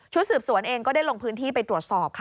สืบสวนเองก็ได้ลงพื้นที่ไปตรวจสอบค่ะ